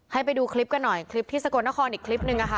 ไปดูคลิปกันหน่อยคลิปที่สกลนครอีกคลิปนึงอะค่ะ